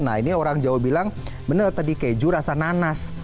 nah ini orang jawa bilang bener tadi keju rasa nanas